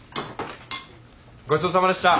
ごちそうさまでした。